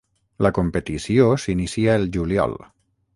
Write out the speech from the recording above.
La competició s'inicia el juliol.